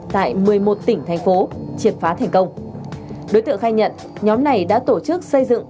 tại một mươi một tỉnh thành phố triệt phá thành công đối tượng khai nhận nhóm này đã tổ chức xây dựng